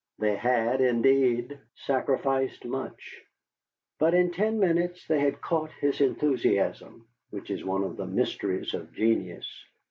They had, indeed, sacrificed much. But in ten minutes they had caught his enthusiasm (which is one of the mysteries of genius).